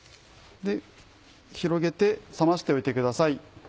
広げて冷ましておいてください。